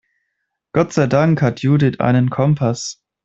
Gott sei Dank hat Judith einen Kompass.